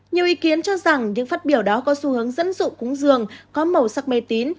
nhiều ý kiến cho rằng những phát biểu đó có xu hướng dẫn dụ cúng dường có màu sắc mê tín